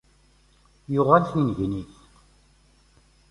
Yuɣal tinnegnit.